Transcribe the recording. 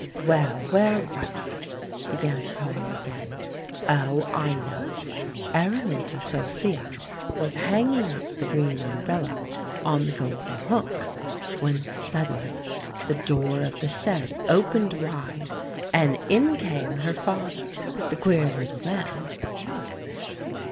"Well, where was I?" began Polly again. "Oh! I know. Araminta Sophia was hanging up the green umbrella on the golden hook, when suddenly the door of the shed opened wide, and in came her father, the queer little man.